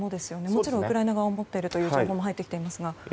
もちろんウクライナ側も持っているという情報も入ってきていますが。